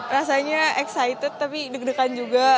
rasanya excited tapi deg degan juga